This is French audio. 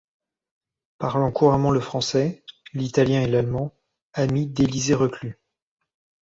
Parlant couramment le français, l'italien et l'allemand, ami d’Élisée Reclus.